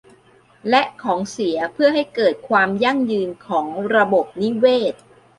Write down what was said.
และของเสียเพื่อให้เกิดความยั่งยืนของระบบนิเวศ